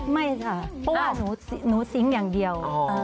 ไม่ค่ะนูซิงค์อย่างเดียว